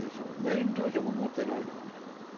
免許証も持ってないのに。